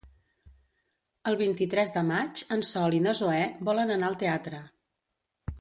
El vint-i-tres de maig en Sol i na Zoè volen anar al teatre.